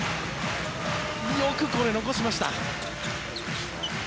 よくこれ、残しました。